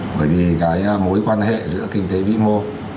bởi vì cái mối quan hệ giữa kinh tế bị mộ